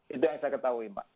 itu yang saya ketahui mbak